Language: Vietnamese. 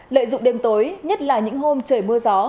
lợi dụng đêm tối nhất là những hôm trời mưa gió